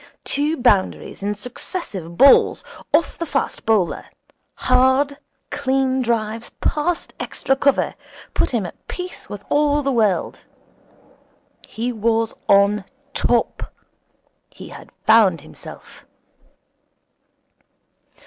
Two boundaries in successive balls off the fast bowler, hard, clean drives past extra cover, put him at peace with all the world. He was on top. He had found himself.